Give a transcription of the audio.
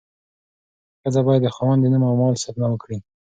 ښځه باید د خاوند د نوم او مال ساتنه وکړي.